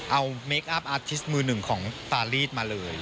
เอาเมคอัพอาร์ทิสมือหนึ่งของปารีสมาเลย